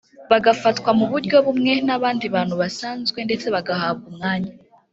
bagafatwa mu buryo bumwe n’abandi bantu basanzwe ndetse bagahabwa umwanya